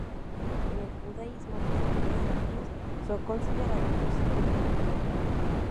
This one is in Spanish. En el judaísmo los hombres impíos son considerados los "hijos de Belial".